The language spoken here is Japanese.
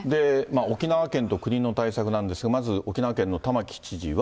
沖縄県と国の対策なんですが、まず沖縄県の玉城知事は。